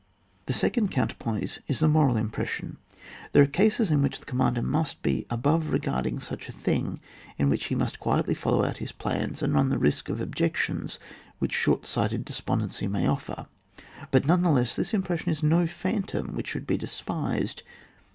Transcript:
The second counterpoise is the moral impression. There are cases in which the commander must be above regarding such a thing, in which he must quietly follow out his plans, and run the risk of the ob jections which short sighted despondency may offer; but nevertheless, this im pression is no phantom which. should be despised.